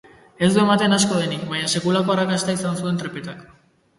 Ez du ematen asko denik, baina sekulako arrakasta izan zuen trepetak.